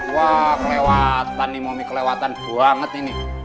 wah kelewatan nih momi kelewatan banget ini